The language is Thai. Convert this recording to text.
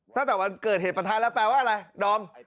ตั้งแต่วันเกิดเหตุประทะแล้วแปลว่าอะไรดอม